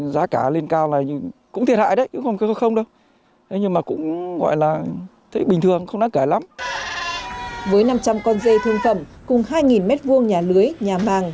với năm trăm linh con dê thương phẩm cùng hai mét vuông nhà lưới nhà màng